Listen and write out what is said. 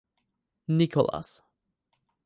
Nicholas.